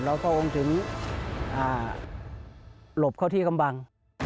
เราก็วงถึงหลบเข้าที่กำบัง